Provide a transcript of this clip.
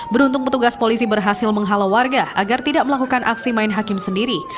beruntung petugas polisi berhasil menghalau warga agar tidak melakukan aksi main hakim sendiri